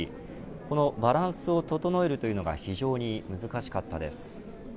このバランスを整えるというのが非常に難しかったです。